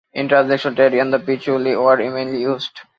In transactions tari and pichuli were mainly used.